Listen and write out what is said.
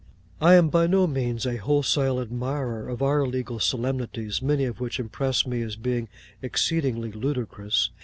I am by no means a wholesale admirer of our legal solemnities, many of which impress me as being exceedingly ludicrous.